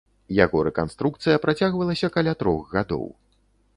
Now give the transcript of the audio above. Яго рэканструкцыя працягвалася каля трох гадоў.